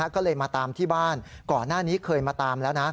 ก็เลยมาตามที่บ้านก่อนหน้านี้เคยมาตามแล้วนะ